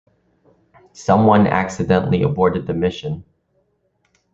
Someone accidentally aborted the mission.